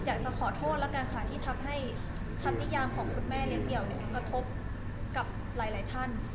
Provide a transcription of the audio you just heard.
อยากจะขอโทษแล้วกันค่ะที่ทำให้คำนิยามของคุณแม่เลี้ยเดี่ยวเนี่ยกระทบกับหลายท่าน